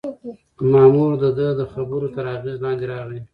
مامور د ده د خبرو تر اغېز لاندې راغی.